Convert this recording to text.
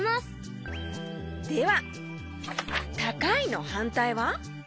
では「たかい」のはんたいは？